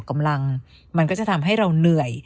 มันก็จะทำให้เราเหนื่อย